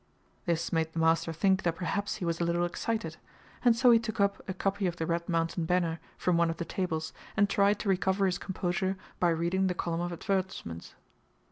This made the master think that perhaps he was a little excited, and so he took up a copy of the RED MOUNTAIN BANNER from one of the tables, and tried to recover his composure by reading the column of advertisements.